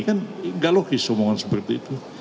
kan nggak logis omongan seperti itu